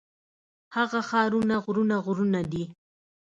هغه ښارونه غرونه غرونه دي.